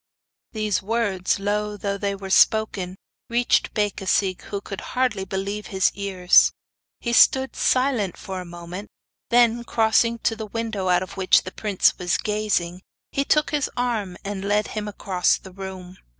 These words, low though they were spoken, reached Becasigue, who could hardly believe his ears. He stood silent for a moment; then, crossing to the window out of which the prince was gazing, he took his arm and led him across the room.